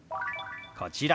こちら。